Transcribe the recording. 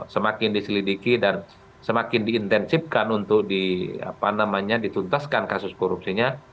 semakin diselidiki dan semakin diintensifkan untuk dituntaskan kasus korupsinya